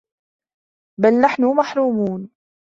بَل نَحنُ مَحرومونَ